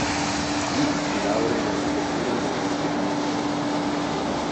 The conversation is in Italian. Qui si laurea in architettura all'Università La Sapienza.